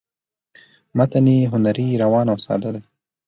متن یې هنري ،روان او ساده دی